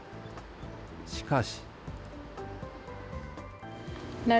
しかし。